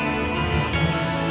aku mau ke rumah